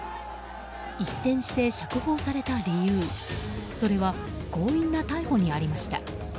一転して釈放された理由それは強引な逮捕にありました。